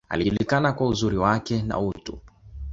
Alijulikana kwa uzuri wake, na utu.